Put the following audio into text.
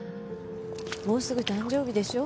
もうすぐ誕生日でしょ？